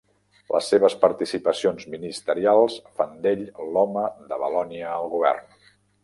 Les seves participacions ministerials fan d'ell l'home de Valònia al govern.